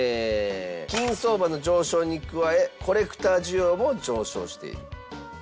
金相場の上昇に加えコレクター需要も上昇している。